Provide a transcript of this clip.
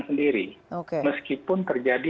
sendiri meskipun terjadi